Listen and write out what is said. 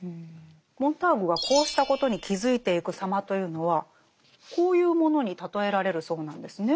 モンターグがこうしたことに気付いていく様というのはこういうものに例えられるそうなんですね。